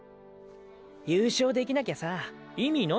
優勝できなきゃさ意味ないだろ？